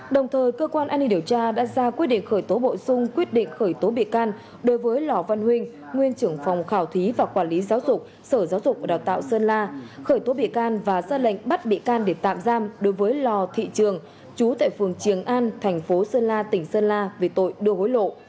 đồng thời cơ quan an ninh điều tra đã ra quyết định khởi tố bổ sung quyết định khởi tố bị can đối với lò văn huynh nguyên trưởng phòng khảo thí và quản lý giáo dục sở giáo dục và đào tạo sơn la khởi tố bị can và ra lệnh bắt bị can để tạm giam đối với lò thị trường chú tại phường triềng an thành phố sơn la tỉnh sơn la về tội đưa hối lộ